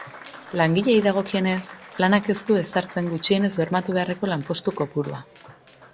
Langileei dagokienez, planak ez du ezartzen gutxienez bermatu beharreko lanpostu kopurua.